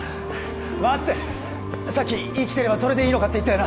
待ってさっき生きてればそれでいいのかって言ったよな